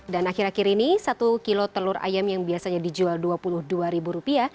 dan akhir akhir ini satu kg telur ayam yang biasanya dijual rp dua puluh dua